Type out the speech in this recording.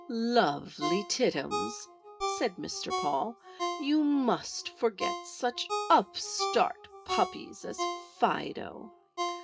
"Lovely Tittums," said Mr. Paul, "you must forget such upstart puppies as Fido.